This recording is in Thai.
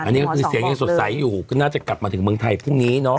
อันนี้ก็คือเสียงยังสดใสอยู่ก็น่าจะกลับมาถึงเมืองไทยพรุ่งนี้เนาะ